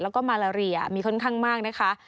แล้วก็มาลาเรียมีค่อนข้างมากนะคะ